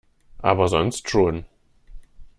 Aber sonst schon.